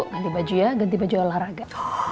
ganti baju ya ganti baju olahraga